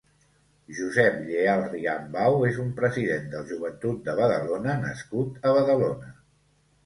Josep Lleal Riambau és un president del Joventut de Badalona nascut a Badalona.